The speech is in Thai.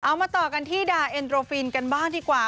มาต่อกันที่ดาเอ็นโดรฟินกันบ้างดีกว่า